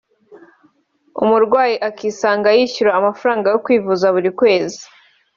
umurwayi akisanga yishyura amafaranga yo kwivuza buri kwezi